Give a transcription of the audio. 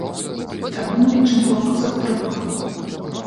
Таму мы лічым фолк запатрабаваным.